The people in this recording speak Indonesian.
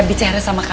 bicara sama kamu